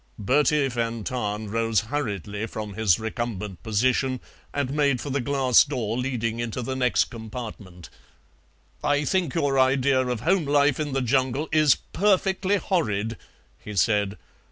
'" Bertie van Tahn rose hurriedly from his recumbent position and made for the glass door leading into the next compartment. "I think your idea of home life in the jungle is perfectly horrid," he said.